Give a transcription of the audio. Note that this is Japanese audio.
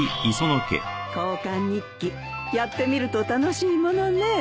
交換日記やってみると楽しいものねぇ。